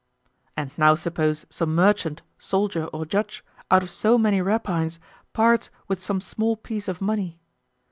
And now suppose some merchant, soldier, or judge, out of so many rapines, parts with some small piece of money.